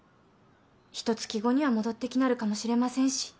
ひと月後には戻ってきなるかもしれませんし